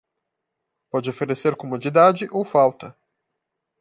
Pode oferecer comodidade ou falta.